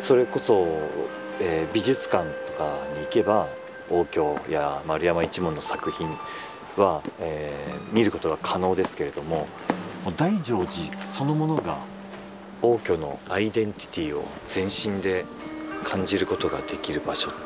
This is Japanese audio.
それこそ美術館とかに行けば応挙や円山一門の作品は見ることが可能ですけれどもこの大乗寺そのものが応挙のアイデンティティーを全身で感じることができる場所。